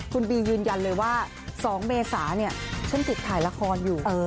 คุณบียืนยันเลยว่า๒เมษาเนี่ยฉันติดถ่ายละครอยู่